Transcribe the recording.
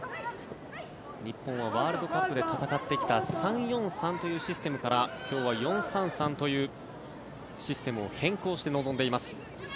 日本はワールドカップで戦ってきた３−４−３というシステムから今日は４−３−３というシステムを変更して臨んでいます。